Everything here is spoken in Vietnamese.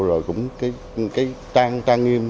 rồi cũng trang nghiêm